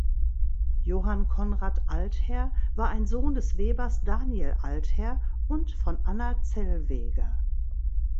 Johann Conrad Altherr war ein Sohn des Webers Daniel Altherr und von Anna Zellweger.